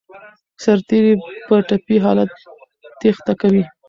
سرتیري په ټپي حالت تېښته کوي.